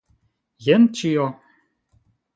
Jen ĉio!